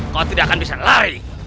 kau tidak akan bisa lari